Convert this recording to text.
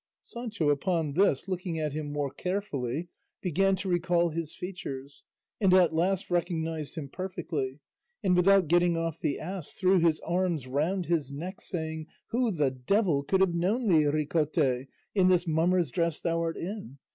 Sancho upon this looking at him more carefully began to recall his features, and at last recognised him perfectly, and without getting off the ass threw his arms round his neck saying, "Who the devil could have known thee, Ricote, in this mummer's dress thou art in?